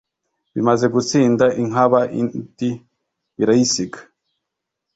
Bimaze gusinda inkaba indi birayisiga